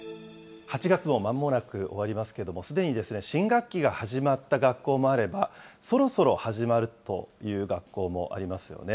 ８月もまもなく終わりますけども、すでに新学期が始まった学校もあれば、そろそろ始まるという学校もありますよね。